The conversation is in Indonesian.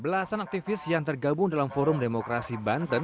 belasan aktivis yang tergabung dalam forum demokrasi banten